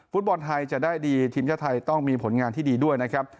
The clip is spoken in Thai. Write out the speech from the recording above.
ฟุตบอลไทยจะได้ดีทีมชาติไทยต้องมีผลงานที่ดีด้วยนะครับ